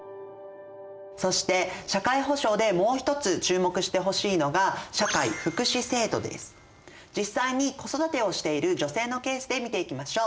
そして社会保障でもう一つ注目してほしいのが実際に子育てをしている女性のケースで見ていきましょう。